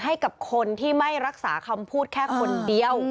ให้กับคนที่ไม่รักษาคำพูดแค่คนเดียว